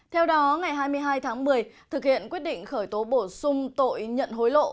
theo đó ngày hai mươi hai tháng một mươi thực hiện quyết định khởi tố bổ sung tội nhận hối lộ